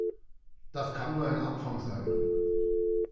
Das kann nur ein Anfang sein.